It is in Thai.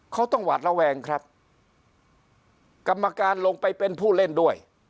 เขาต้องหวาดระแวงครับกรรมการลงไปเป็นผู้เล่นด้วย